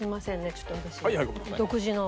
ちょっと私独自の。